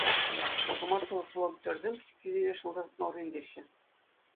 Стоматолог-волонтерсем пӗчӗккисене шӑл тасатма вӗрентеҫҫӗ.